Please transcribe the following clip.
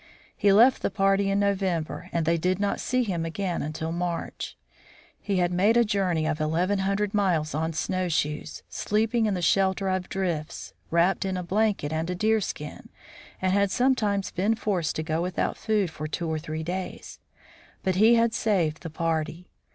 He left the party in November, and they did not see him again until March. He had made a journey of eleven hundred miles on snovvshoes, sleeping in the shelter of drifts, wrapped in a blanket and a deerskin, and had sometimes been forced to go without food for two or three days. But he had saved the party.